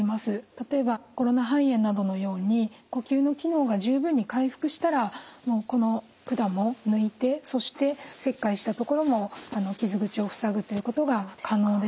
例えばコロナ肺炎などのように呼吸の機能が十分に回復したらこの管も抜いてそして切開した所も傷口を塞ぐということが可能です。